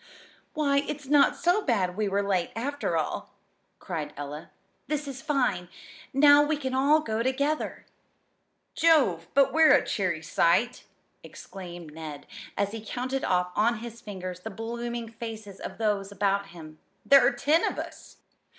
"Why, it's not so bad we were late, after all," cried Ella. "This is fine now we can all go together!" "Jove! but we're a cheery sight!" exclaimed Ned, as he counted off on his fingers the blooming faces of those about him. "There are ten of us!"